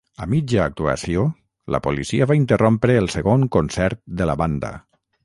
A mitja actuació, la policia va interrompre el segon concert de la banda.